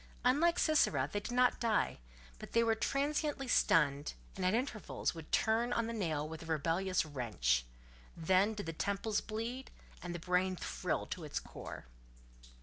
Unlike Sisera, they did not die: they were but transiently stunned, and at intervals would turn on the nail with a rebellious wrench: then did the temples bleed, and the brain thrill to its core.